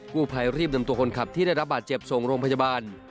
ผู้ภัยรีบนำตัวคนขับที่ได้รับบาดเจ็บส่งโรงพยาบาล